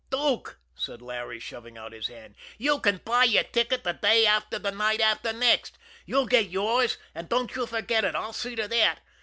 "Dook," said Larry, shoving out his hand, "you can buy your ticket the day after the night after next you'll get yours, and don't you forget it, I'll see to that.